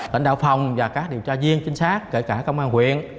tỉnh đào phòng và các điều tra viên chính xác kể cả công an huyện